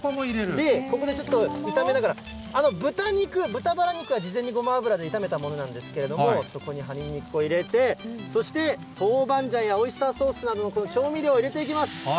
ここでちょっと炒めながら、豚肉、豚バラ肉は事前にごま油で炒めたものなんですけれども、そこに葉ニンニクをこう入れて、そして、豆板醤やオイスターソースなどの調味料を入れていきます。